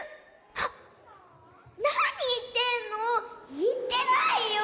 あっなにいってんの。いってないよ。